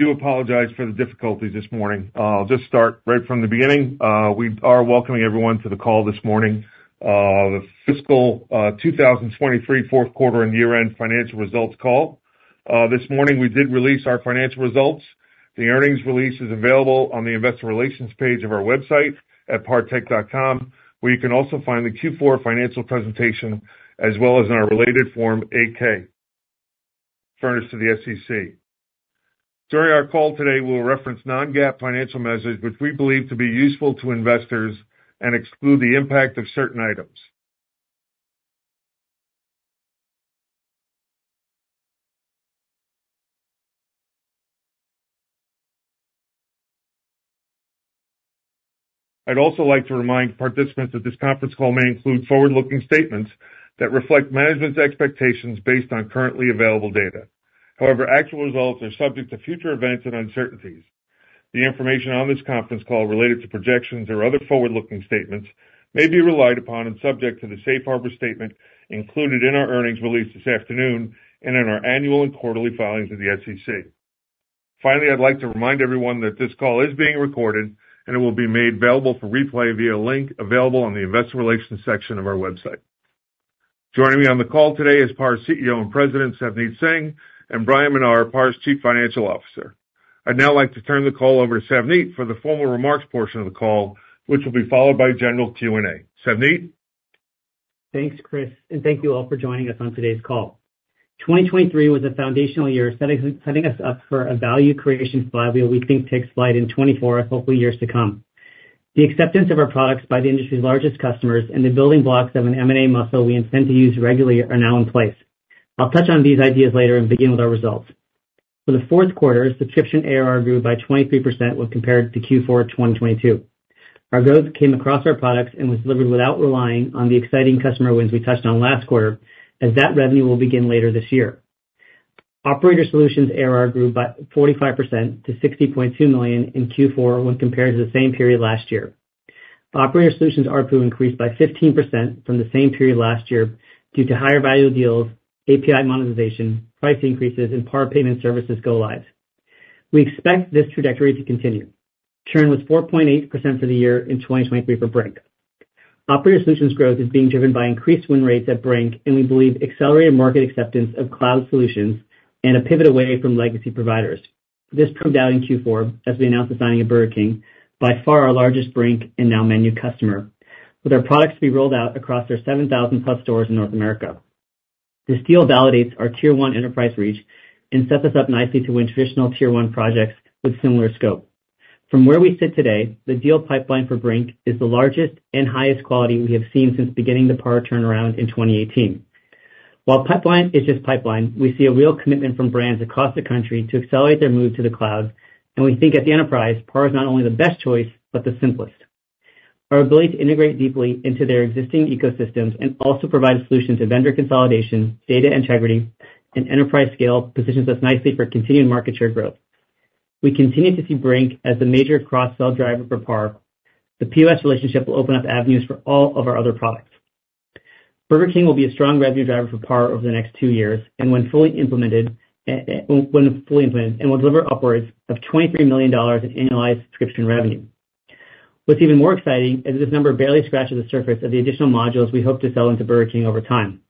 I do apologize for the difficulties this morning. I'll just start right from the beginning. We are welcoming everyone to the call this morning, the fiscal 2023 fourth quarter and year-end financial results call. This morning we did release our financial results. The earnings release is available on the investor relations page of our website at partech.com, where you can also find the Q4 financial presentation as well as in our related Form 8-K, furnished to the SEC. During our call today we'll reference non-GAAP financial measures which we believe to be useful to investors and exclude the impact of certain items. I'd also like to remind participants that this conference call may include forward-looking statements that reflect management's expectations based on currently available data. However, actual results are subject to future events and uncertainties. The information on this conference call related to projections or other forward-looking statements may be relied upon and subject to the Safe Harbor Statement included in our earnings release this afternoon and in our annual and quarterly filings of the SEC. Finally, I'd like to remind everyone that this call is being recorded and it will be made available for replay via a link available on the investor relations section of our website. Joining me on the call today is PAR's CEO and President, Savneet Singh, and Bryan Menar, PAR's Chief Financial Officer. I'd now like to turn the call over to Savneet for the formal remarks portion of the call which will be followed by general Q&A. Savneet? Thanks, Chris, and thank you all for joining us on today's call. 2023 was a foundational year setting us up for a value creation flywheel we think takes flight in 2024 hopefully years to come. The acceptance of our products by the industry's largest customers and the building blocks of an M&A muscle we intend to use regularly are now in place. I'll touch on these ideas later and begin with our results. For the fourth quarter, subscription ARR grew by 23% when compared to Q4 2022. Our growth came across our products and was delivered without relying on the exciting customer wins we touched on last quarter as that revenue will begin later this year. Operator Solutions ARR grew by 45% to $60.2 million in Q4 when compared to the same period last year. Operator Solutions ARPU increased by 15% from the same period last year due to higher value deals, API monetization, price increases, and PAR Payment Services go-live. We expect this trajectory to continue. Churn was 4.8% for the year in 2023 for Brink. Operator Solutions growth is being driven by increased win rates at Brink, and we believe accelerated market acceptance of Cloud Solutions and a pivot away from legacy providers. This proved out in Q4 as we announced signing a Burger King, by far our largest Brink and MENU customer, with our products to be rolled out across their 7,000+ stores in North America. This deal validates our tier one enterprise reach and sets us up nicely to win traditional tier one projects with similar scope. From where we sit today, the deal pipeline for Brink is the largest and highest quality we have seen since beginning the PAR turnaround in 2018. While pipeline is just pipeline, we see a real commitment from brands across the country to accelerate their move to the cloud, and we think at the enterprise PAR is not only the best choice but the simplest. Our ability to integrate deeply into their existing ecosystems and also provide solutions to vendor consolidation, data integrity, and enterprise scale positions us nicely for continued market share growth. We continue to see Brink as the major cross-sell driver for PAR. The POS relationship will open up avenues for all of our other products. Burger King will be a strong revenue driver for PAR over the next two years and, when fully implemented, will deliver upwards of $23 million in annualized subscription revenue. What's even more exciting is this number barely scratches the surface of the additional modules we hope to sell into Burger King over time.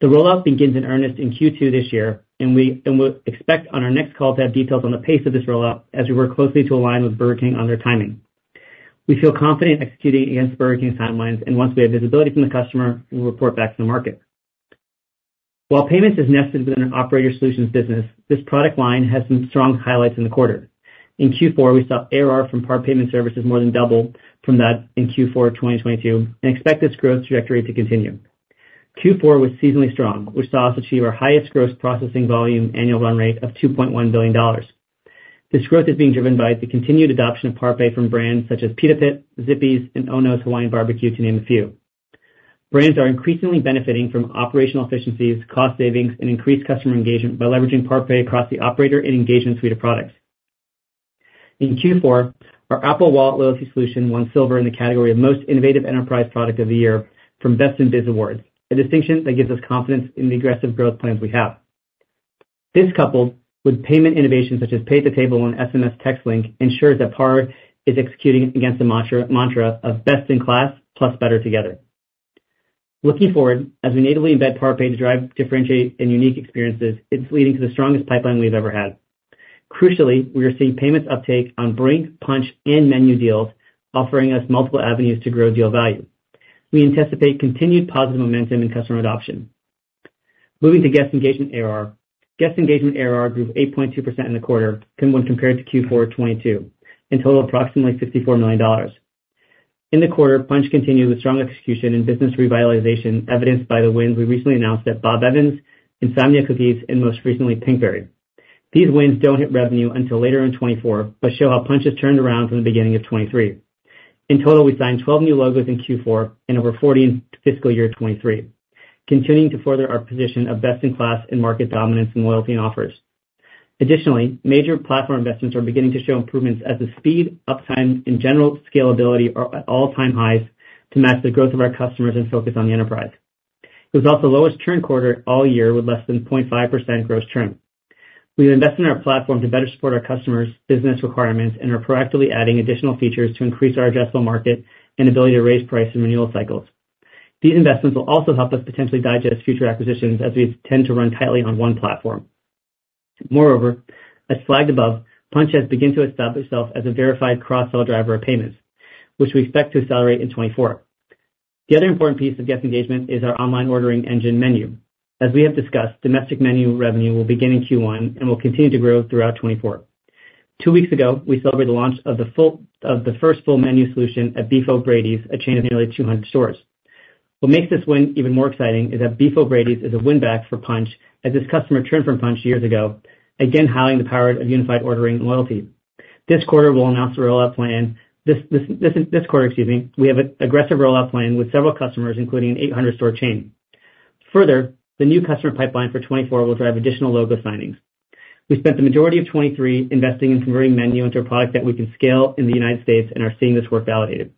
The rollout begins in earnest in Q2 this year, and we'll expect on our next call to have details on the pace of this rollout as we work closely to align with Burger King on their timing. We feel confident executing against Burger King's timelines and once we have visibility from the customer we'll report back to the market. While payments is nested within an operator solutions business, this product line has some strong highlights in the quarter. In Q4, we saw ARR from PAR Payment Services more than double from that in Q4 2022 and expect this growth trajectory to continue. Q4 was seasonally strong, which saw us achieve our highest gross processing volume annual run rate of $2.1 billion. This growth is being driven by the continued adoption of PAR Pay from brands such as Pita Pit, Zippy's, and Ono Hawaiian BBQ to name a few. Brands are increasingly benefiting from operational efficiencies, cost savings, and increased customer engagement by leveraging PAR Pay across the operator and engagement suite of products. In Q4, our Apple Wallet Loyalty Solution won silver in the category of most innovative enterprise product of the year from Best in Biz Awards, a distinction that gives us confidence in the aggressive growth plans we have. This coupled with payment innovation such as Pay at the Table and SMS Text Link ensures that PAR is executing against the mantra mantra of best in class plus better together. Looking forward as we natively embed PAR Pay to drive differentiate and unique experiences it's leading to the strongest pipeline we've ever had. Crucially we are seeing payments uptake on Brink, Punchh and MENU deals offering us multiple avenues to grow deal value. We anticipate continued positive momentum in customer adoption. Moving to Guest Engagement ARR, guest engagement ARR grew 8.2% in the quarter when compared to Q4 2022 and totaled approximately $54 million. In the quarter Punchh continued with strong execution and business revitalization evidenced by the wins we recently announced at Bob Evans, Insomnia Cookies and most recently Pinkberry. These wins don't hit revenue until later in 2024 but show how Punchh has turned around from the beginning of 2023. In total we signed 12 new logos in Q4 and over 40 in fiscal year 2023 continuing to further our position of best in class in market dominance and loyalty and offers. Additionally major platform investments are beginning to show improvements as the speed uptime in general scalability are at all-time highs to match the growth of our customers and focus on the enterprise. It was also lowest churn quarter all year with less than 0.5% gross churn. We invest in our platform to better support our customers' business requirements and are proactively adding additional features to increase our addressable market and ability to raise price in renewal cycles. These investments will also help us potentially digest future acquisitions as we tend to run tightly on one platform. Moreover, as flagged above, Punchh has begun to establish itself as a verified cross-sell driver of payments, which we expect to accelerate in 2024. The other important piece of guest engagement is our online ordering engine MENU. As we have discussed, domestic MENU revenue will begin in Q1 and will continue to grow throughout 2024. Two weeks ago, we celebrated the launch of the first full MENU solution at Beef 'O' Brady's, a chain of nearly 200 stores. What makes this win even more exciting is that Beef 'O' Brady's is a win back for Punchh as this customer churned from Punchh years ago, again highlighting the power of unified ordering loyalty. This quarter, excuse me, we have an aggressive rollout plan with several customers including an 800-store chain. Further, the new customer pipeline for 2024 will drive additional logo signings. We spent the majority of 2023 investing in converting MENU into a product that we can scale in the United States and are seeing this work validated.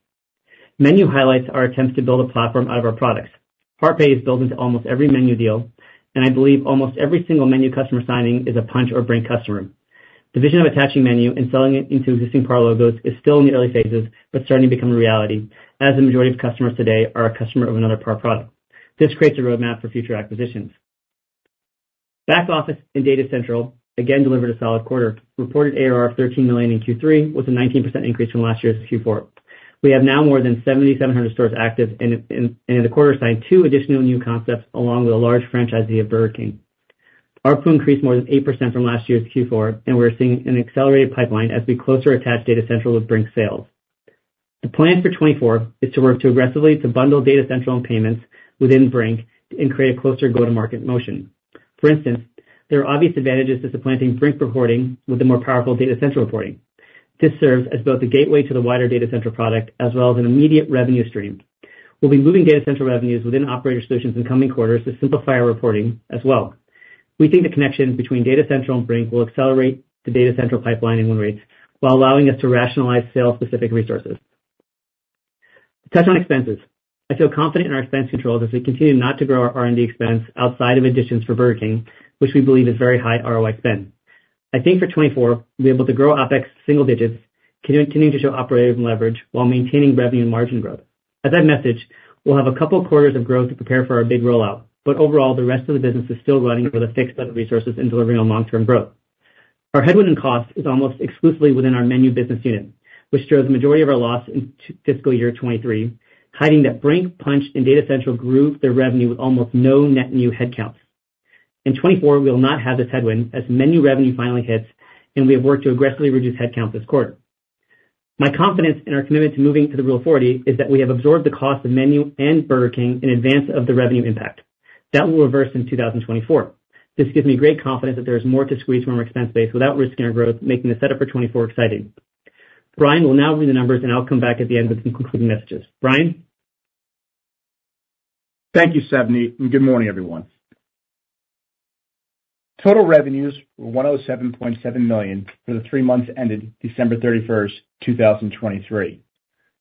MENU highlights our attempts to build a platform out of our products. PAR Pay is built into almost every MENU deal and I believe almost every single MENU customer signing is a Punchh or Brink customer. The vision of attaching MENU and selling it into existing PAR logos is still in the early phases but starting to become a reality as the majority of customers today are a customer of another PAR product. This creates a roadmap for future acquisitions. Back-office and Data Central again delivered a solid quarter. Reported ARR of $13 million in Q3 was a 19% increase from last year's Q4. We have now more than 7,700 stores active and in the quarter signed 2 additional new concepts along with a large franchisee of Burger King. ARPU increased more than 8% from last year's Q4 and we're seeing an accelerated pipeline as we closer attach Data Central with Brink sales. The plan for 2024 is to work to aggressively to bundle Data Central and payments within Brink and create a closer go-to-market motion. For instance there are obvious advantages to supplanting Brink reporting with the more powerful Data Central reporting. This serves as both the gateway to the wider Data Central product as well as an immediate revenue stream. We'll be moving Data Central revenues within operator solutions in coming quarters to simplify our reporting as well. We think the connection between Data Central and Brink will accelerate the Data Central pipeline in win rates while allowing us to rationalize sale-specific resources. Touch on expenses. I feel confident in our expense controls as we continue not to grow our R&D expense outside of additions for Burger King which we believe is very high ROI spend. I think for 2024 we'll be able to grow OpEx single digits continuing to show operating leverage while maintaining revenue and margin growth. As that message we'll have a couple quarters of growth to prepare for our big rollout but overall the rest of the business is still running with a fixed budget resources and delivering on long-term growth. Our headwind in cost is almost exclusively within our MENU business unit, which shows the majority of our loss in fiscal year 2023, hiding that Brink, Punchh, and Data Central grew their revenue with almost no net new headcounts. In 2024 we'll not have this headwind as MENU revenue finally hits and we have worked to aggressively reduce headcount this quarter. My confidence in our commitment to moving to the Rule of 40 is that we have absorbed the cost of MENU and Burger King in advance of the revenue impact. That will reverse in 2024. This gives me great confidence that there is more to squeeze from our expense base without risking our growth, making the setup for 2024 exciting. Bryan will now read the numbers and I'll come back at the end with some concluding messages. Bryan? Thank you Savneet and good morning everyone. Total revenues were $107.7 million for the three months ended December 31, 2023.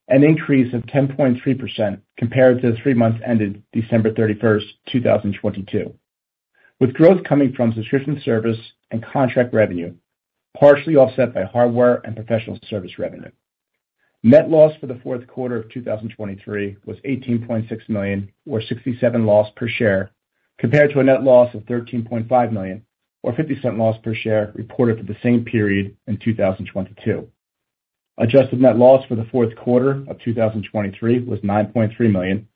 An increase of 10.3% compared to the three months ended December 31, 2022. With growth coming from subscription service and contract revenue partially offset by hardware and professional service revenue. Net loss for the fourth quarter of 2023 was $18.6 million or $0.67 loss per share compared to a net loss of $13.5 million or $0.50 loss per share reported for the same period in 2022. Adjusted net loss for the fourth quarter of 2023 was $9.3 million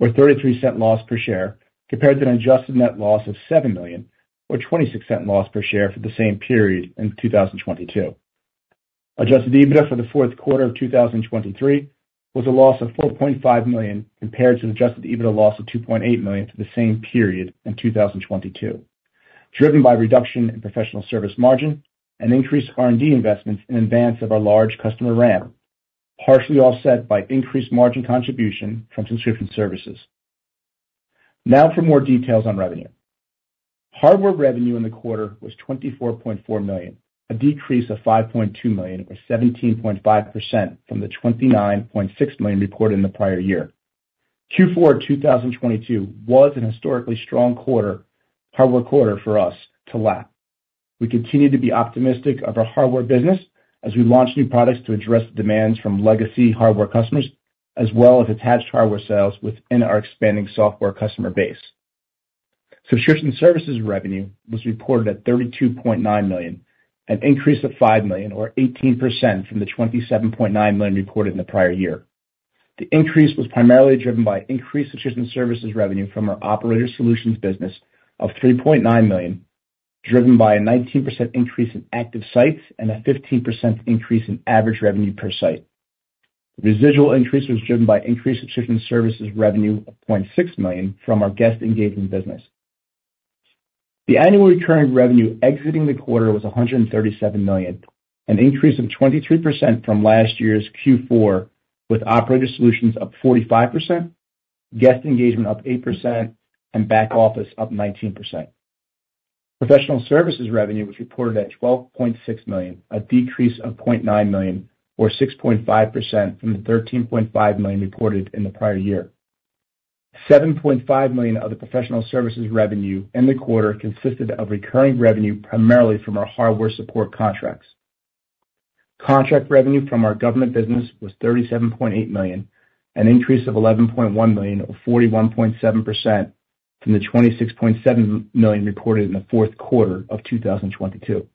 or $0.33 loss per share compared to an adjusted net loss of $7 million or $0.26 loss per share for the same period in 2022. Adjusted EBITDA for the fourth quarter of 2023 was a loss of $4.5 million compared to an adjusted EBITDA loss of $2.8 million for the same period in 2022. Driven by reduction in professional service margin and increased R&D investments in advance of our large customer ramp partially offset by increased margin contribution from subscription services. Now for more details on revenue. Hardware revenue in the quarter was $24.4 million, a decrease of $5.2 million or 17.5% from the $29.6 million reported in the prior year. Q4 2022 was an historically strong quarter hardware quarter for us to lap. We continue to be optimistic of our hardware business as we launch new products to address the demands from legacy hardware customers as well as attached hardware sales within our expanding software customer base. Subscription services revenue was reported at $32.9 million, an increase of $5 million or 18% from the $27.9 million reported in the prior year. The increase was primarily driven by increased subscription services revenue from our operator solutions business of $3.9 million driven by a 19% increase in active sites and a 15% increase in average revenue per site. Residual increase was driven by increased subscription services revenue of $0.6 million from our guest engagement business. The annual recurring revenue exiting the quarter was $137 million, an increase of 23% from last year's Q4 with operator solutions up 45%, guest engagement up 8%, and Back Office up 19%. Professional services revenue was reported at $12.6 million, a decrease of $0.9 million or 6.5% from the $13.5 million reported in the prior year. $7.5 million of the professional services revenue in the quarter consisted of recurring revenue primarily from our hardware support contracts. Contract revenue from our government business was $37.8 million, an increase of $11.1 million or 41.7% from the $26.7 million reported in the fourth quarter of 2022.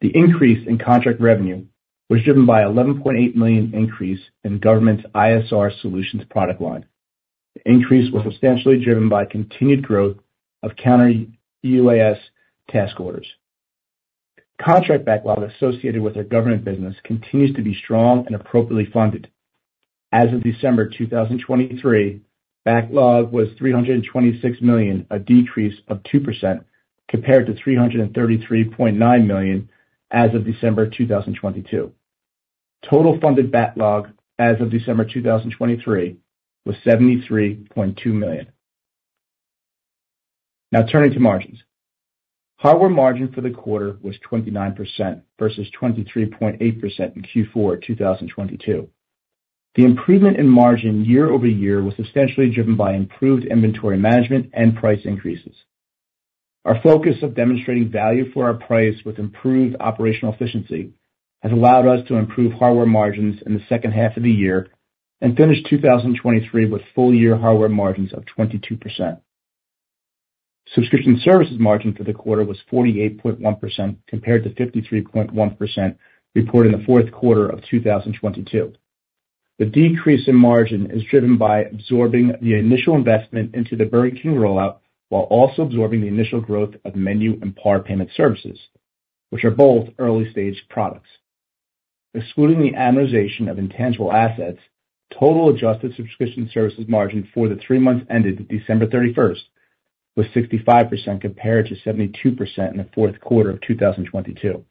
The increase in contract revenue was driven by an $11.8 million increase in government's ISR Solutions product line. The increase was substantially driven by continued growth of Counter-UAS task orders. Contract backlog associated with our government business continues to be strong and appropriately funded. As of December 2023, backlog was $326 million, a decrease of 2% compared to $333.9 million as of December 2022. Total funded backlog as of December 2023 was $73.2 million. Now turning to margins. Hardware margin for the quarter was 29% versus 23.8% in Q4 2022. The improvement in margin year-over-year was substantially driven by improved inventory management and price increases. Our focus of demonstrating value for our price with improved operational efficiency has allowed us to improve hardware margins in the second half of the year and finish 2023 with full-year hardware margins of 22%. Subscription services margin for the quarter was 48.1% compared to 53.1% reported in the fourth quarter of 2022. The decrease in margin is driven by absorbing the initial investment into the Burger King rollout while also absorbing the initial growth of MENU and PAR Payment Services which are both early-stage products. Excluding the amortization of intangible assets, total adjusted subscription services margin for the three months ended December 31 was 65% compared to 72% in the fourth quarter of 2022.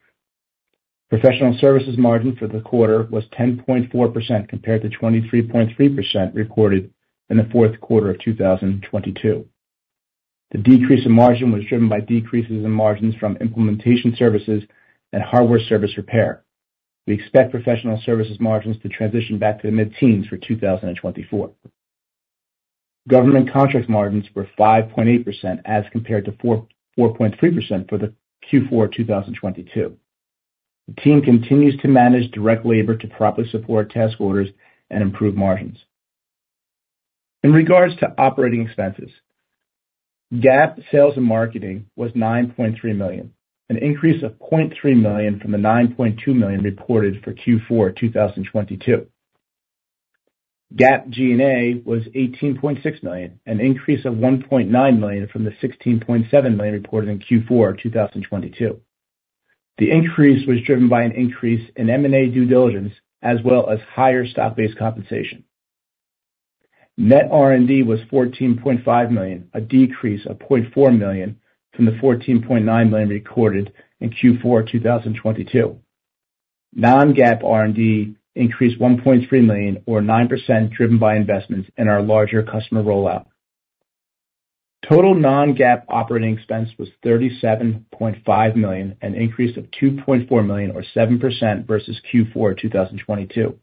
Professional services margin for the quarter was 10.4% compared to 23.3% reported in the fourth quarter of 2022. The decrease in margin was driven by decreases in margins from implementation services and hardware service repair. We expect professional services margins to transition back to the mid-teens for 2024. Government contract margins were 5.8% as compared to 4.3% for the Q4 2022. The team continues to manage direct labor to properly support task orders and improve margins. In regards to operating expenses. GAAP sales and marketing was $9.3 million, an increase of $0.3 million from the $9.2 million reported for Q4 2022. GAAP G&A was $18.6 million, an increase of $1.9 million from the $16.7 million reported in Q4 2022. The increase was driven by an increase in M&A due diligence as well as higher stock-based compensation. Net R&D was $14.5 million, a decrease of $0.4 million from the $14.9 million recorded in Q4 2022. Non-GAAP R&D increased $1.3 million or 9% driven by investments in our larger customer rollout. Total non-GAAP operating expense was $37.5 million, an increase of $2.4 million or 7% versus Q4 2022.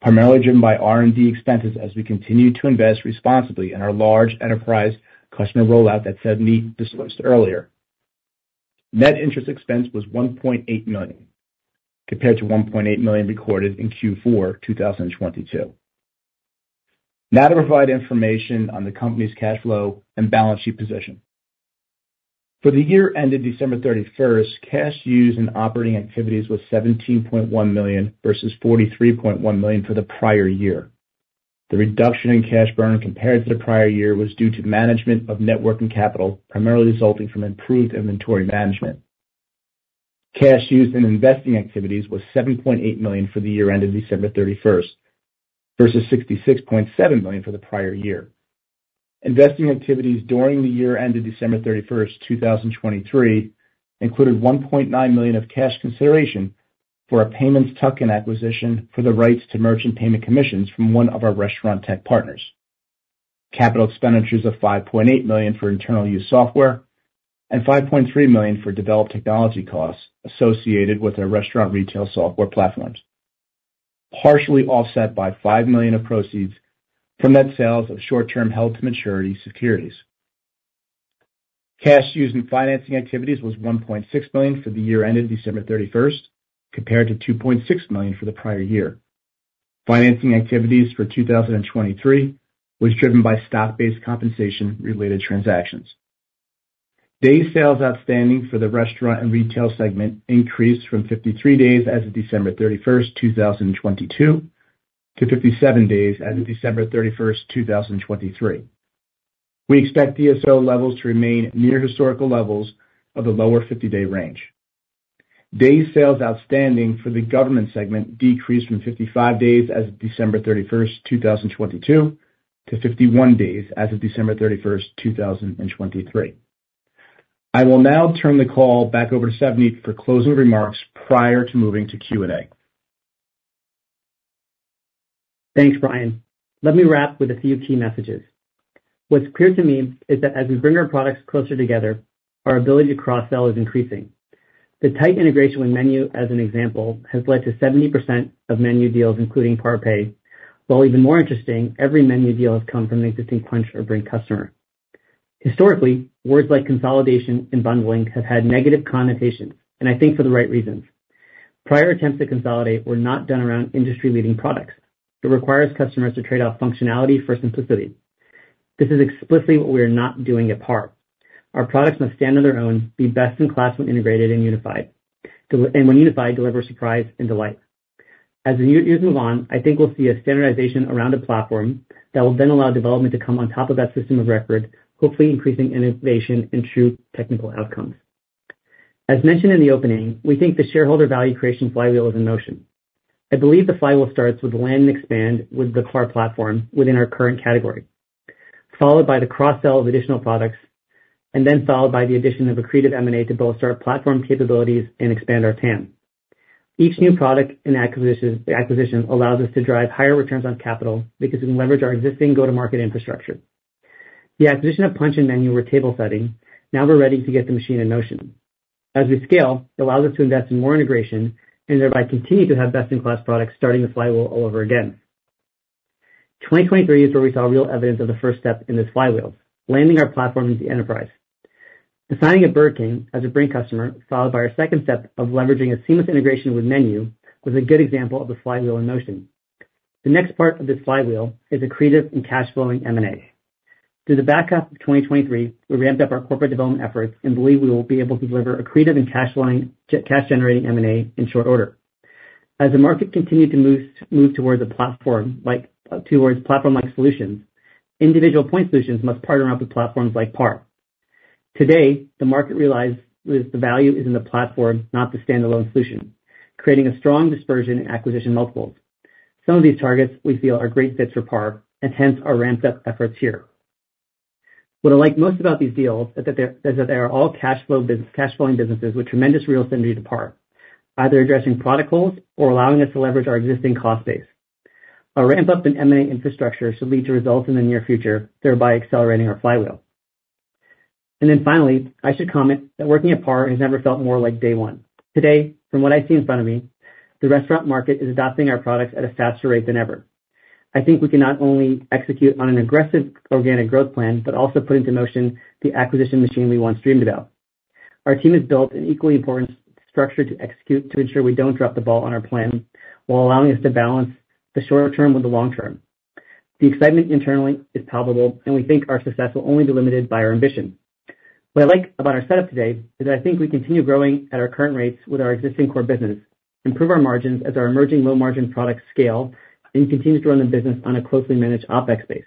Primarily driven by R&D expenses as we continue to invest responsibly in our large enterprise customer rollout that Savneet disclosed earlier. Net interest expense was $1.8 million compared to $1.8 million recorded in Q4 2022. Now to provide information on the company's cash flow and balance sheet position. For the year ended December 31, cash used in operating activities was $17.1 million versus $43.1 million for the prior year. The reduction in cash burn compared to the prior year was due to management of net working capital primarily resulting from improved inventory management. Cash used in investing activities was $7.8 million for the year ended December 31 versus $66.7 million for the prior year. Investing activities during the year ended December 31, 2023 included $1.9 million of cash consideration for a payments tuck-in acquisition for the rights to merchant payment commissions from one of our restaurant tech partners. Capital expenditures of $5.8 million for internal use software and $5.3 million for developed technology costs associated with our restaurant retail software platforms. Partially offset by $5 million of proceeds from net sales of short-term held-to-maturity securities. Cash used in financing activities was $1.6 million for the year ended December 31 compared to $2.6 million for the prior year. Financing activities for 2023 was driven by stock-based compensation related transactions. Days' sales outstanding for the restaurant and retail segment increased from 53 days as of December 31, 2022 to 57 days as of December 31, 2023. We expect DSO levels to remain near historical levels of the lower 50-day range. Days' sales outstanding for the government segment decreased from 55 days as of December 31, 2022 to 51 days as of December 31, 2023. I will now turn the call back over to Savneet for closing remarks prior to moving to Q&A. Thanks, Bryan. Let me wrap with a few key messages. What's clear to me is that as we bring our products closer together our ability to cross-sell is increasing. The tight integration with MENU as an example has led to 70% of MENU deals including PAR Pay while even more interesting every MENU deal has come from an existing Punchh or Brink customer. Historically words like consolidation and bundling have had negative connotations and I think for the right reasons. Prior attempts to consolidate were not done around industry-leading products. It requires customers to trade off functionality for simplicity. This is explicitly what we are not doing at PAR. Our products must stand on their own be best in class when integrated and unified and when unified deliver surprise and delight. As the years move on, I think we'll see a standardization around a platform that will then allow development to come on top of that system of record, hopefully increasing innovation and true technical outcomes. As mentioned in the opening, we think the shareholder value creation flywheel is in motion. I believe the flywheel starts with land and expand with the PAR platform within our current category followed by the cross-sell of additional products and then followed by the addition of a creative M&A to bolster our platform capabilities and expand our TAM. Each new product and acquisition allows us to drive higher returns on capital because we can leverage our existing go-to-market infrastructure. The acquisition of Punchh and MENU were table setting now we're ready to get the machine in motion. As we scale it allows us to invest in more integration and thereby continue to have best-in-class products starting the flywheel all over again. 2023 is where we saw real evidence of the first step in this flywheel landing our platform into the enterprise. Landing Burger King as a Brink customer followed by our second step of leveraging a seamless integration with MENU was a good example of the flywheel in motion. The next part of this flywheel is accretive and cash-flowing M&A. Through the back half of 2023 we ramped up our corporate development efforts and believe we will be able to deliver accretive and cash-flowing cash-generating M&A in short order. As the market continued to move towards a platform like towards platform-like solutions individual point solutions must partner up with platforms like PAR. Today, the market realizes the value is in the platform, not the standalone solution, creating a strong dispersion and acquisition multiples. Some of these targets we feel are great fits for PAR and hence our ramped-up efforts here. What I like most about these deals is that they are all cash-flowing businesses with tremendous real synergy to PAR either addressing product holes or allowing us to leverage our existing cost base. A ramp-up in M&A infrastructure should lead to results in the near future, thereby accelerating our flywheel. And then finally, I should comment that working at PAR has never felt more like day one. Today, from what I see in front of me, the restaurant market is adopting our products at a faster rate than ever. I think we can not only execute on an aggressive organic growth plan but also put into motion the acquisition machine we once dreamed about. Our team has built an equally important structure to execute to ensure we don't drop the ball on our plan while allowing us to balance the short-term with the long-term. The excitement internally is palpable and we think our success will only be limited by our ambition. What I like about our setup today is that I think we continue growing at our current rates with our existing core business improve our margins as our emerging low-margin products scale and continue to run the business on a closely managed OpEx base.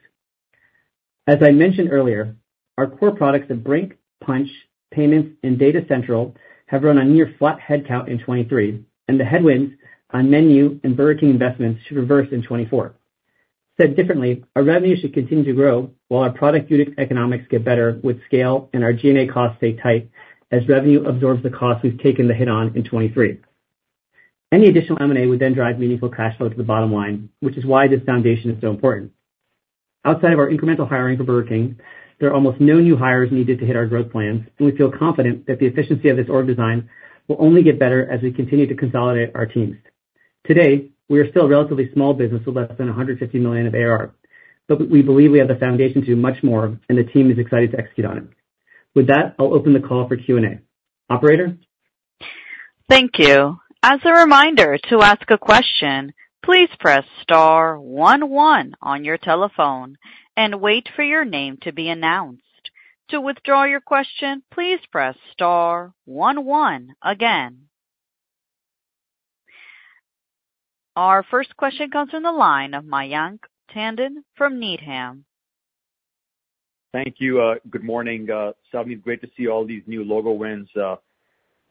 As I mentioned earlier, our core products at Brink, Punch, payments, and Data Central have run on near flat headcount in 2023, and the headwinds on MENU and Burger King investments should reverse in 2024. Said differently, our revenue should continue to grow while our product unit economics get better with scale, and our G&A costs stay tight as revenue absorbs the cost we've taken the hit on in 2023. Any additional M&A would then drive meaningful cash flow to the bottom line, which is why this foundation is so important. Outside of our incremental hiring for Burger King, there are almost no new hires needed to hit our growth plans, and we feel confident that the efficiency of this org design will only get better as we continue to consolidate our teams. Today we are still a relatively small business with less than $150 million of AR but we believe we have the foundation to do much more and the team is excited to execute on it. With that I'll open the call for Q&A. Operator. Thank you. As a reminder, to ask a question, please press star one one on your telephone and wait for your name to be announced. To withdraw your question, please press star one one again. Our first question comes from the line of Mayank Tandon from Needham. Thank you. Good morning, Savneet. Great to see all these new logo wins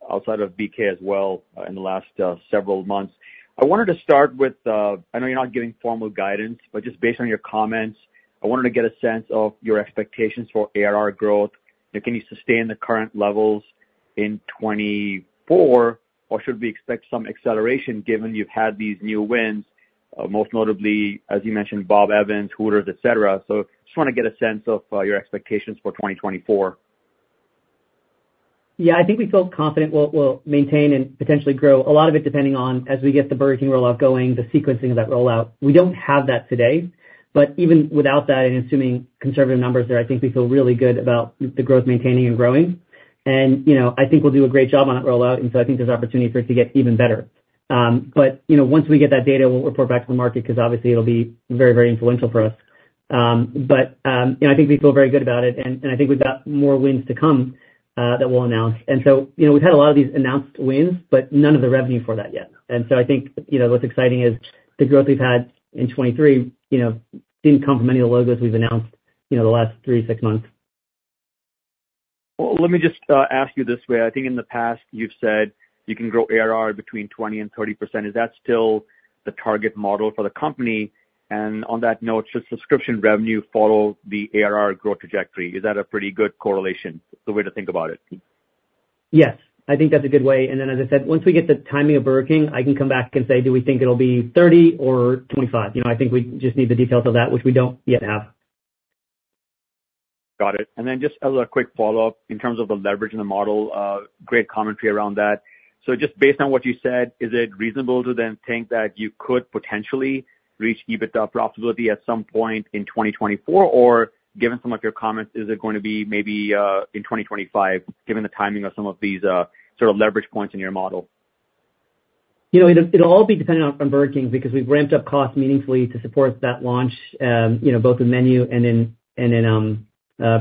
outside of BK as well in the last several months. I wanted to start with, I know you're not giving formal guidance, but just based on your comments, I wanted to get a sense of your expectations for ARR growth. Can you sustain the current levels in 2024 or should we expect some acceleration given you've had these new wins, most notably as you mentioned Bob Evans, Hooters, et cetera. So I just want to get a sense of your expectations for 2024. Yeah, I think we feel confident we'll maintain and potentially grow a lot of it depending on, as we get the Burger King rollout going, the sequencing of that rollout. We don't have that today, but even without that and assuming conservative numbers there, I think we feel really good about the growth, maintaining and growing. And I think we'll do a great job on that rollout, and so I think there's opportunity for it to get even better. But once we get that data, we'll report back to the market because obviously it'll be very, very influential for us. But I think we feel very good about it, and I think we've got more wins to come that we'll announce. And so we've had a lot of these announced wins, but none of the revenue for that yet. And so I think what's exciting is the growth we've had in 2023 didn't come from any of the logos we've announced the last three six months. Well, let me just ask you this way. I think in the past you've said you can grow AR between 20%-30%. Is that still the target model for the company? On that note, should subscription revenue follow the AR growth trajectory? Is that a pretty good correlation the way to think about it? Yes, I think that's a good way. And then, as I said, once we get the timing of Burger King, I can come back and say do we think it'll be 30 or 25. I think we just need the details of that which we don't yet have. Got it. And then just as a quick follow-up in terms of the leverage in the model, great commentary around that. So just based on what you said, is it reasonable to then think that you could potentially reach EBITDA profitability at some point in 2024 or given some of your comments is it going to be maybe in 2025 given the timing of some of these sort of leverage points in your model? It'll all be dependent on Burger King because we've ramped up costs meaningfully to support that launch both with MENU and in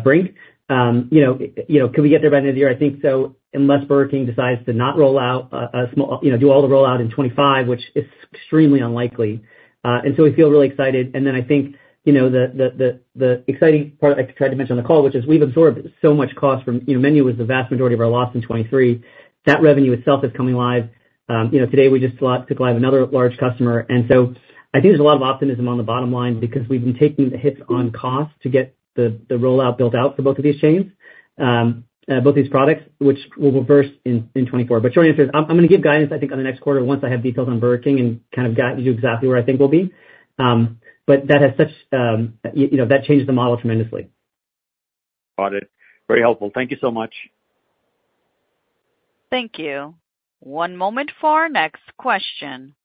Brink. Can we get there by the end of the year? I think so. Unless Burger King decides to not roll out. We'll do all the rollout in 2025 which is extremely unlikely. And so we feel really excited. And then I think the exciting part I tried to mention on the call which is we've absorbed so much cost from MENU was the vast majority of our loss in 2023. That revenue itself is coming live. Today we just took live another large customer. And so I think there's a lot of optimism on the bottom line because we've been taking the hits on cost to get the rollout built out for both of these chains both of these products which will reverse in 2024. But short answers, I'm going to give guidance I think on the next quarter once I have details on Burger King and kind of guide you exactly where I think we'll be. But that has such that changes the model tremendously. Got it. Very helpful. Thank you so much. Thank you. One moment for our next question.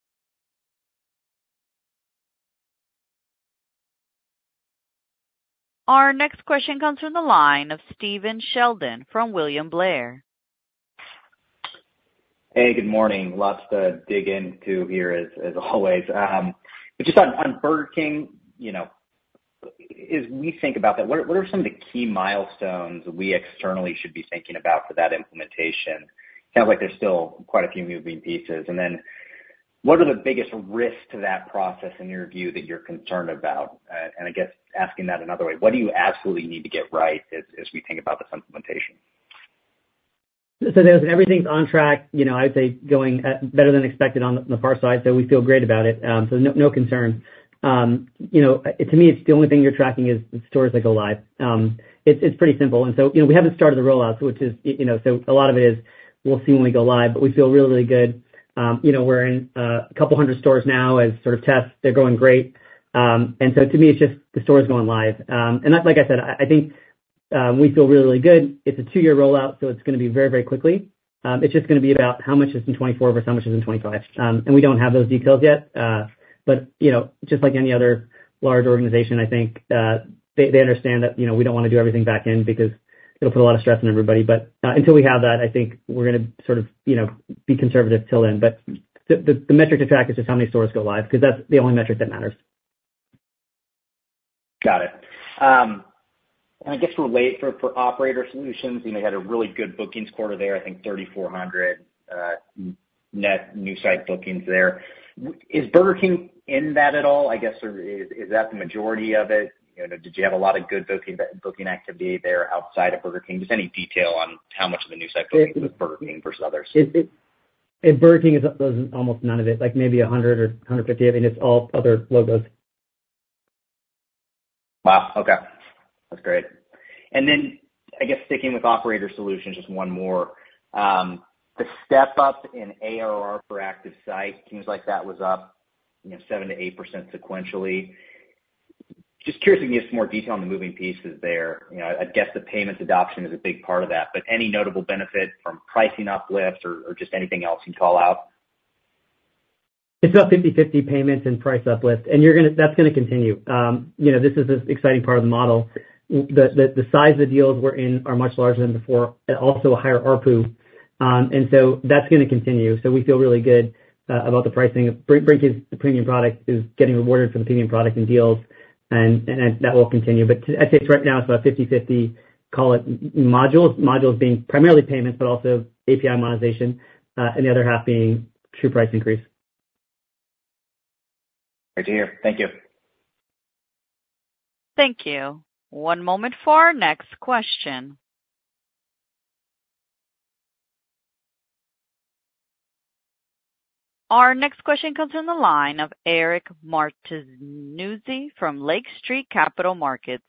Our next question comes from the line of Stephen Sheldon from William Blair. Hey, good morning. Lots to dig into here as always. But just on Burger King, as we think about that, what are some of the key milestones we externally should be thinking about for that implementation? Sounds like there's still quite a few moving pieces. And then what are the biggest risks to that process in your view that you're concerned about? And I guess asking that another way, what do you absolutely need to get right as we think about this implementation? So everything's on track. I'd say it's going better than expected on the PAR side, so we feel great about it. So no concerns. To me, the only thing you're tracking is the stores that go live. It's pretty simple. We haven't started the rollout, which is so a lot of it is we'll see when we go live, but we feel really really good. We're in a couple hundred stores now as sort of tests. They're going great. To me, it's just the stores going live. Like I said, I think we feel really really good. It's a 2-year rollout, so it's going to be very very quickly. It's just going to be about how much is in 2024 versus how much is in 2025. We don't have those details yet. Just like any other large organization I think they understand that we don't want to do everything back in because it'll put a lot of stress on everybody. Until we have that I think we're going to sort of be conservative till then. The metric to track is just how many stores go live because that's the only metric that matters. Got it. And I guess for operator solutions you had a really good bookings quarter there. I think 3,400 net new site bookings there. Is Burger King in that at all, I guess, or is that the majority of it? Did you have a lot of good booking activity there outside of Burger King? Just any detail on how much of the new site bookings with Burger King versus others. At Burger King there's almost none of it like maybe 100 or 150. I mean it's all other logos. Wow. Okay. That's great. And then I guess sticking with operator solutions just one more. The step up in AR for active site teams like that was up 7%-8% sequentially. Just curious if you can give us more detail on the moving pieces there. I'd guess the payments adoption is a big part of that but any notable benefit from pricing uplifts or just anything else you'd call out? It's about 50/50 payments and price uplift. And you're going to – that's going to continue. This is – this exciting part of the model. The size of the deals we're in are much larger than before and also a higher ARPU. And so that's going to continue. So we feel really good about the pricing. Brink is the premium product – is getting rewarded for the premium product and deals and that will continue. But I'd say right now it's about 50/50 – call it modules. Modules being primarily payments but also API monetization and the other half being true price increase. Great to hear. Thank you. Thank you. One moment for our next question. Our next question comes from the line of Eric Martinuzzi from Lake Street Capital Markets.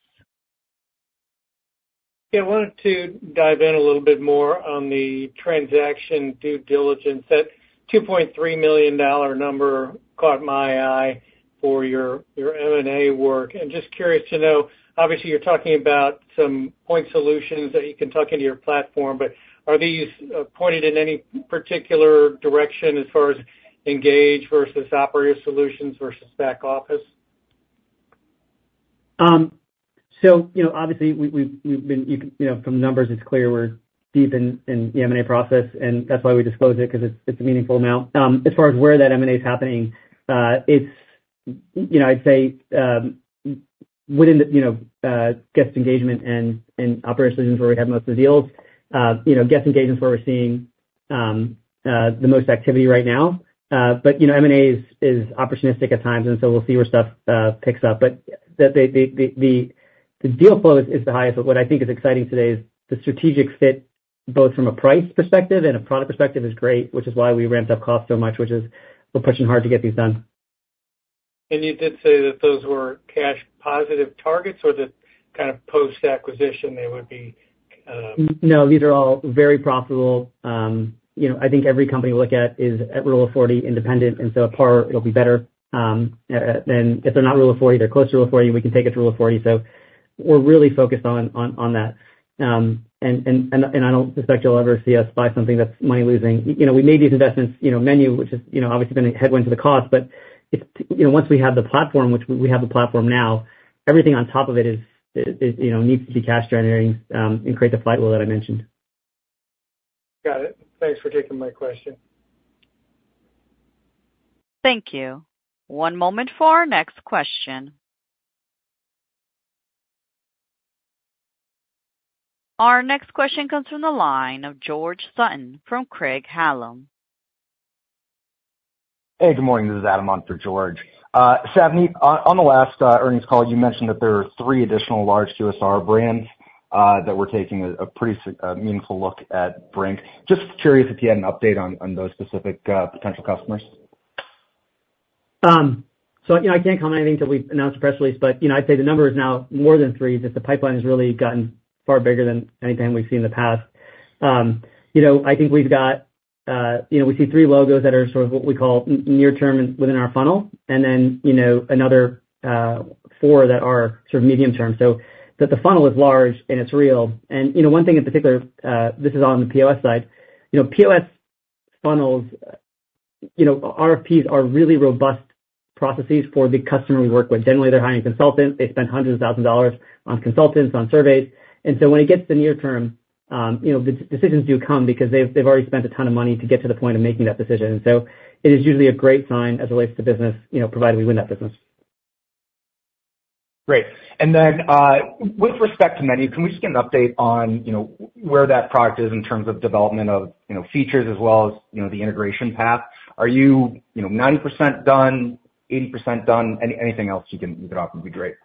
Yeah, I wanted to dive in a little bit more on the transaction due diligence. That $2.3 million number caught my eye for your M&A work. Just curious to know, obviously you're talking about some point solutions that you can talk into your platform, but are these pointed in any particular direction as far as engage versus operator solutions versus back office? So obviously we've been from numbers it's clear we're deep in the M&A process and that's why we disclose it because it's a meaningful amount. As far as where that M&A is happening it's I'd say within the guest engagement and operator solutions where we have most of the deals guest engagements where we're seeing the most activity right now. But M&A is opportunistic at times and so we'll see where stuff picks up. But the deal flow is the highest. But what I think is exciting today is the strategic fit both from a price perspective and a product perspective is great which is why we ramped up costs so much which is we're pushing hard to get these done. You did say that those were cash positive targets or that kind of post acquisition they would be? No, these are all very profitable. I think every company we look at is at Rule of 40 independent and so at PAR it'll be better. And if they're not Rule of 40 they're close to Rule of 40 and we can take it to Rule of 40. So we're really focused on that. And I don't suspect you'll ever see us buy something that's money losing. We made these investments MENU which has obviously been a headwind to the cost but once we have the platform which we have the platform now everything on top of it needs to be cash generating and create the flywheel that I mentioned. Got it. Thanks for taking my question. Thank you. One moment for our next question. Our next question comes from the line of George Sutton from Craig-Hallum. Hey, good morning. This is Adam Monk for George. Savneet, on the last earnings call you mentioned that there are three additional large QSR brands that were taking a pretty meaningful look at Brink. Just curious if you had an update on those specific potential customers. So I can't comment anything till we announce the press release, but I'd say the number is now more than 3. Just the pipeline has really gotten far bigger than anything we've seen in the past. I think we've got we see 3 logos that are sort of what we call near term within our funnel and then another 4 that are sort of medium term. So the funnel is large and it's real. And one thing in particular, this is on the POS side. POS funnels RFPs are really robust processes for the customer we work with. Generally they're hiring a consultant. They spend hundreds of thousands of dollars on consultants on surveys. And so when it gets to near term, the decisions do come because they've already spent a ton of money to get to the point of making that decision. And so it is usually a great sign as it relates to business provided we win that business. Great. And then with respect to MENU can we just get an update on where that product is in terms of development of features as well as the integration path? Are you 90% done 80% done anything else you can offer would be great?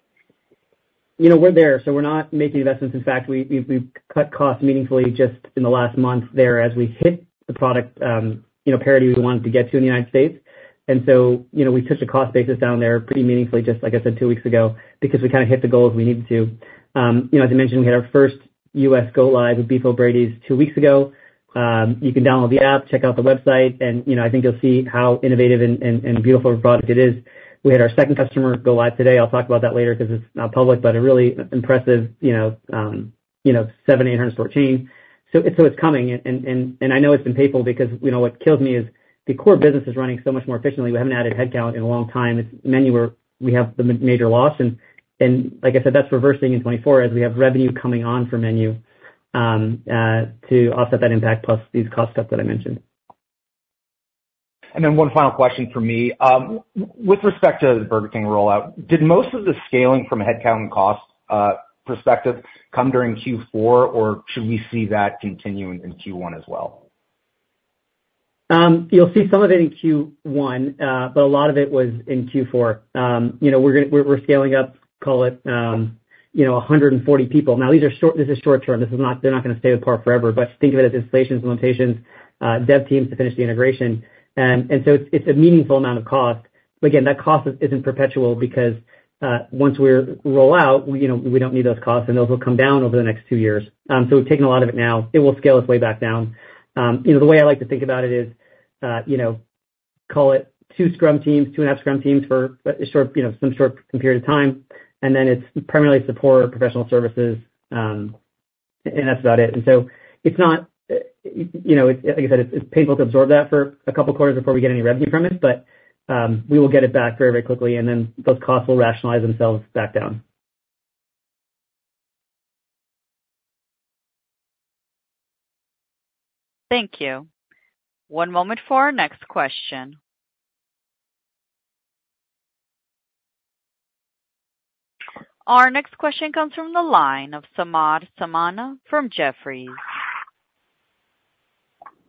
We're there, so we're not making investments. In fact, we've cut costs meaningfully just in the last month there as we hit the product parity we wanted to get to in the United States. And so we took the cost basis down there pretty meaningfully, just like I said two weeks ago, because we kind of hit the goals we needed to. As I mentioned, we had our first U.S. go-live with Beef 'O' Brady's two weeks ago. You can download the app, check out the website, and I think you'll see how innovative and beautiful a product it is. We had our second customer go live today. I'll talk about that later because it's not public, but a really impressive 700-800 store chain. So it's coming, and I know it's been painful because what kills me is the core business is running so much more efficiently. We haven't added headcount in a long time. It's MENU where we have the major loss and like I said that's reversing in 2024 as we have revenue coming on for MENU to offset that impact plus these cost stuff that I mentioned. Then one final question for me. With respect to the Burger King rollout, did most of the scaling from headcount and cost perspective come during Q4 or should we see that continue in Q1 as well? You'll see some of it in Q1 but a lot of it was in Q4. We're scaling up, call it 140 people. Now these are short; this is short-term. They're not going to stay with Par forever but think of it as installations and implementations. Dev teams to finish the integration. And so it's a meaningful amount of cost. But again that cost isn't perpetual because once we roll out we don't need those costs and those will come down over the next two years. So we've taken a lot of it now. It will scale its way back down. The way I like to think about it is call it two Scrum teams, 2.5 Scrum teams for some short period of time and then it's primarily support, professional services and that's about it. And so it's not like I said it's painful to absorb that for a couple quarters before we get any revenue from it, but we will get it back very very quickly and then those costs will rationalize themselves back down. Thank you. One moment for our next question. Our next question comes from the line of Samad Samana from Jefferies.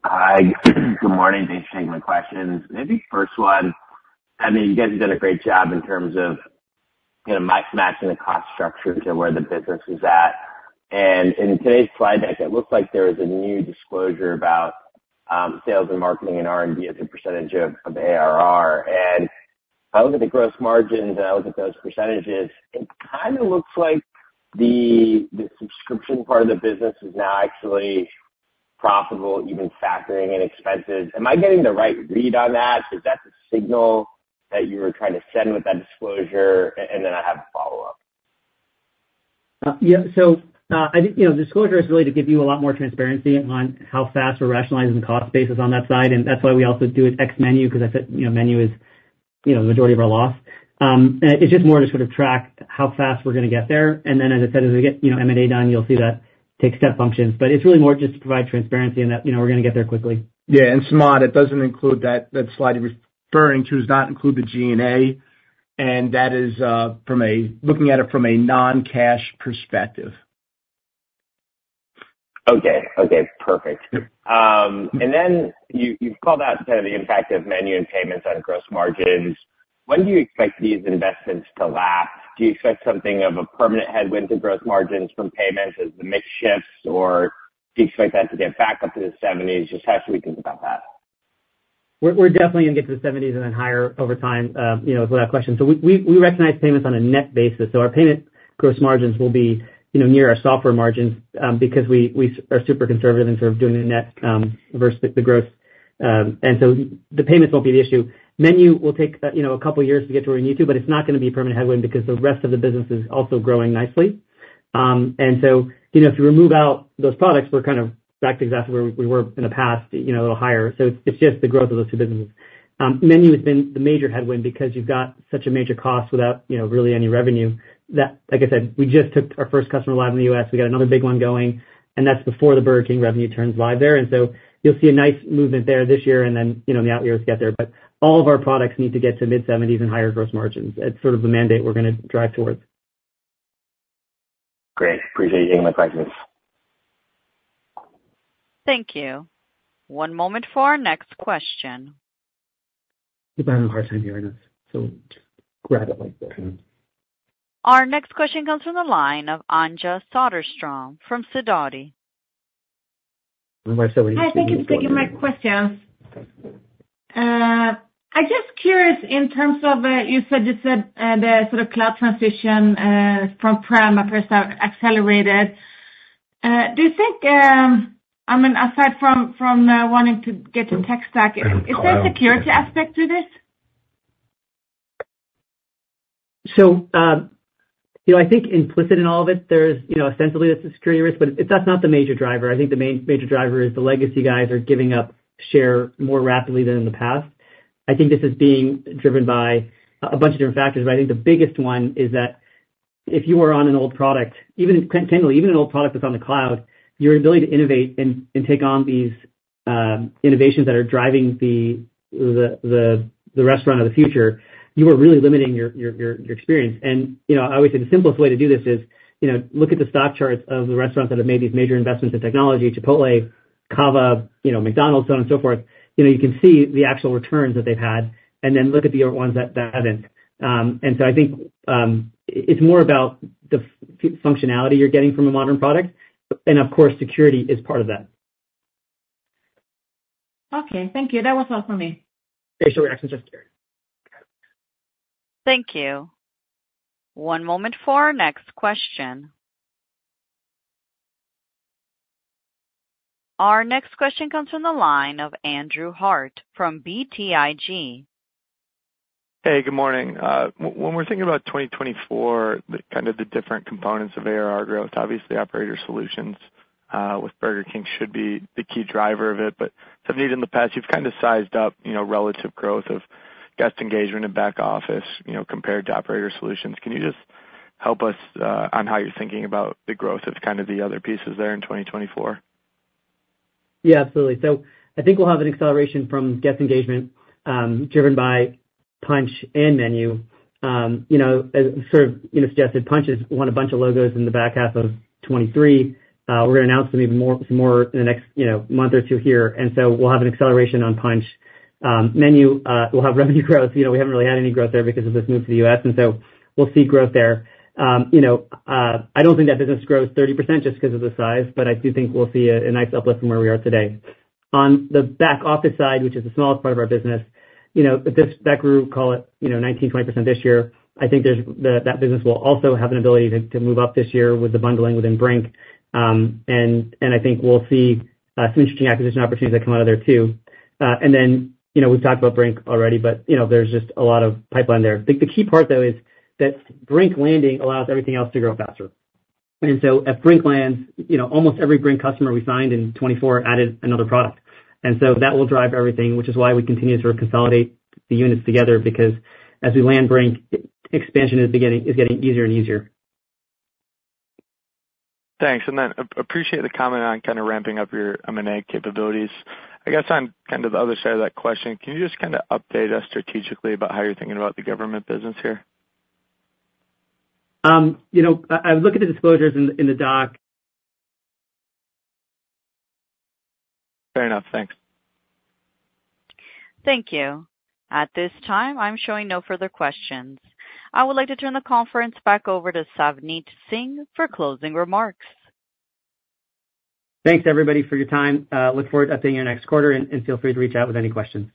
Hi, good morning. Thanks for taking my questions. Maybe first one, I mean, you guys have done a great job in terms of matching the cost structure to where the business is at. In today's slide deck, it looks like there is a new disclosure about sales and marketing and R&D as a percentage of ARR. I look at the gross margins and I look at those percentages; it kind of looks like the subscription part of the business is now actually profitable even factoring in expenses. Am I getting the right read on that? Is that the signal that you were trying to send with that disclosure? And then I have a follow-up. Yeah, so I think disclosure is really to give you a lot more transparency on how fast we're rationalizing the cost basis on that side. And that's why we also do it ex MENU because I said MENU is the majority of our loss. It's just more to sort of track how fast we're going to get there. And then as I said as we get M&A done you'll see that take step functions. But it's really more just to provide transparency in that we're going to get there quickly. Yeah, and Samad, it doesn't include that slide you're referring to does not include the G&A, and that is from a, looking at it, from a non-cash perspective. Okay. Okay. Perfect. And then you've called out kind of the impact of MENU and payments on gross margins. When do you expect these investments to lapse? Do you expect something of a permanent headwind to gross margins from payments as the mix shifts or do you expect that to get back up to the seventies? Just how should we think about that? We're definitely going to get to the 70s and then higher over time with that question. So we recognize payments on a net basis. So our payment gross margins will be near our software margins because we are super conservative in sort of doing the net versus the gross. And so the payments won't be the issue. MENU will take a couple years to get to where we need to but it's not going to be a permanent headwind because the rest of the business is also growing nicely. And so if you remove out those products we're kind of back to exactly where we were in the past a little higher. So it's just the growth of those two businesses. MENU has been the major headwind because you've got such a major cost without really any revenue that, like I said, we just took our first customer live in the U.S. We got another big one going and that's before the Burger King revenue turns live there. And so you'll see a nice movement there this year and then in the out years get there. But all of our products need to get to mid-70s% and higher gross margins. It's sort of the mandate we're going to drive towards. Great. Appreciate you giving me the practices. Thank you. One moment for our next question. I'm having a hard time hearing us so just grab it like this. Our next question comes from the line of Anja Soderstrom from Sidoti. Hi, thank you for taking my question. I'm just curious in terms of you said the sort of cloud transition from Prem appears to have accelerated. Do you think I mean aside from wanting to get to tech stack is there a security aspect to this? So I think implicit in all of it there's ostensibly a security risk but that's not the major driver. I think the main major driver is the legacy guys are giving up share more rapidly than in the past. I think this is being driven by a bunch of different factors but I think the biggest one is that if you are on an old product even generally even an old product that's on the cloud your ability to innovate and take on these innovations that are driving the restaurant of the future you are really limiting your experience. And I always say the simplest way to do this is look at the stock charts of the restaurants that have made these major investments in technology: Chipotle, CAVA, McDonald's, so on and so forth. You can see the actual returns that they've had and then look at the old ones that haven't. And so I think it's more about the functionality you're getting from a modern product and of course security is part of that. Okay. Thank you. That was all from me. Very short reaction just here. Thank you. One moment for our next question. Our next question comes from the line of Andrew Harte from BTIG. Hey, good morning. When we're thinking about 2024, kind of the different components of ARR growth, obviously operator solutions with Burger King should be the key driver of it. But Savneet, in the past you've kind of sized up relative growth of guest engagement and back office compared to operator solutions. Can you just help us on how you're thinking about the growth of kind of the other pieces there in 2024? Yeah, absolutely. So I think we'll have an acceleration from guest engagement driven by Punch and MENU. As sort of suggested, Punch is won a bunch of logos in the back half of 2023. We're going to announce them even more in the next month or two here. And so we'll have an acceleration on Punch. MENU will have revenue growth. We haven't really had any growth there because of this move to the U.S. and so we'll see growth there. I don't think that business grows 30% just because of the size, but I do think we'll see a nice uplift from where we are today. On the back office side, which is the smallest part of our business—if this back row, call it 19%-20% this year—I think that business will also have an ability to move up this year with the bundling within Brink. And I think we'll see some interesting acquisition opportunities that come out of there too. And then we've talked about Brink already, but there's just a lot of pipeline there. The key part though is that Brink landing allows everything else to grow faster. And so if Brink lands, almost every Brink customer we signed in 2024 added another product. And so that will drive everything, which is why we continue to sort of consolidate the units together because as we land Brink expansion is getting easier and easier. Thanks. And then appreciate the comment on kind of ramping up your M&A capabilities. I guess on kind of the other side of that question, can you just kind of update us strategically about how you're thinking about the government business here? I would look at the disclosures in the doc. Fair enough. Thanks. Thank you. At this time I'm showing no further questions. I would like to turn the conference back over to Savneet Singh for closing remarks. Thanks everybody for your time. Look forward to updating your next quarter and feel free to reach out with any questions.